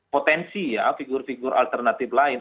potensi ya figur figur alternatif lain